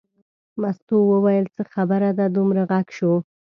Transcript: مستو وویل څه خبره ده دومره غږ شو.